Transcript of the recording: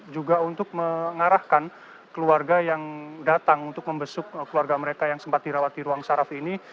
juga untuk mengarahkan keluarga yang datang untuk membesuk keluarga mereka yang sempat dirawat di ruang saraf ini